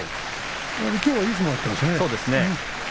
きょうはいい相撲だったね。